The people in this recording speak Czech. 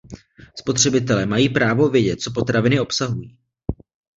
Spotřebitelé mají právo vědět, co potraviny obsahují.